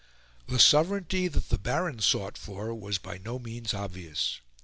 The sovereignty that the Baron sought for was by no means obvious.